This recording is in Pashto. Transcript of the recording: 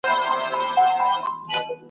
نه مو اختر نه مو خوښي نه مو باران ولیدی !.